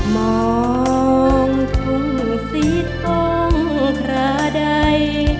มองทุ่งสีทองคราใด